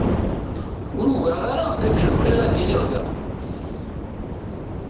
Ur ugaɣ ara dakken bɣiɣ ad iliɣ da.